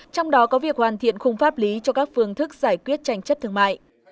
trong đó có việc hoàn thiện khung pháp lý cho các phương thức giải quyết tranh chấp thương mại